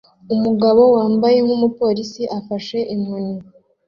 Umugabo wambaye nkumupolisi afashe inyoni